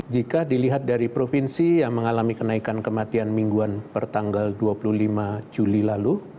jika dilihat dari provinsi yang mengalami kenaikan kematian mingguan per tanggal dua puluh lima juli lalu